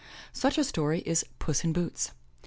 Such a story is *Tuss in Boots."